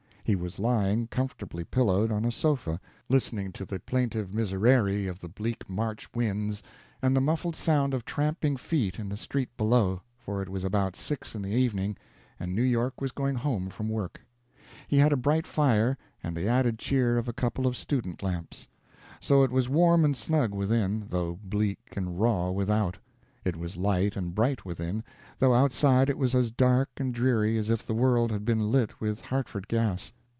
He was lying, comfortably pillowed, on a sofa, listening to the plaintive Miserere of the bleak March winds and the muffled sound of tramping feet in the street below for it was about six in the evening, and New York was going home from work. He had a bright fire and the added cheer of a couple of student lamps. So it was warm and snug within, though bleak and raw without; it was light and bright within, though outside it was as dark and dreary as if the world had been lit with Hartford gas.